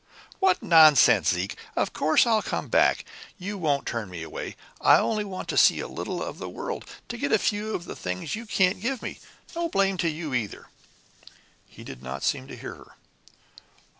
"What nonsense, Zeke! Of course I'll come back! You won't turn me away! I only want to see a little of the world, to get a few of the things you can't give me no blame to you, either!" He did not seem to hear her.